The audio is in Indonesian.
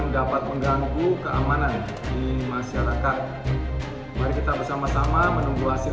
dapat mengganggu keamanan di masyarakat mari kita bersama sama menunggu hasil